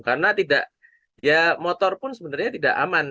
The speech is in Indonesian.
karena tidak ya motor pun sebenarnya tidak aman